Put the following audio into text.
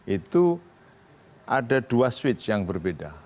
itu ada dua switch yang berbeda